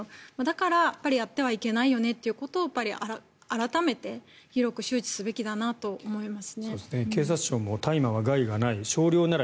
だから、やっぱりやってはいけないよねということを改めて広く周知すべきだなと思います。